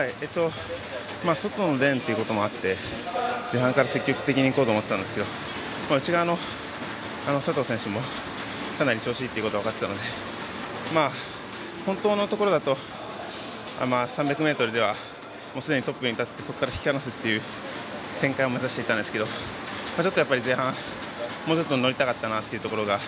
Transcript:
外のレーンということもあって前半から積極的にいこうと思っていたんですが内側の佐藤選手もかなり調子いいことが分かっていたので本当のところだと３００ｍではすでにトップに立ってそこから引き離すという展開を目指していたんですがちょっとやっぱり前半もうちょっと乗りたかったなというところが。